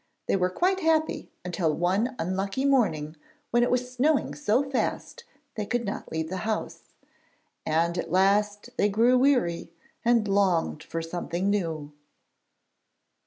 They were quite happy until one unlucky morning when it was snowing so fast they could not leave the house, and at last they grew weary, and longed for something new.